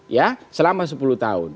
ya selama sepuluh tahun